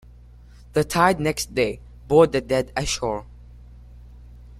The tide next day brought the dead ashore.